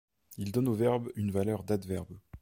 Il donne au verbe une valeur d'adverbe.